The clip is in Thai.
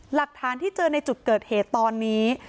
หลักฐานที่เจอในจุดเกิดเหตุตอนนี้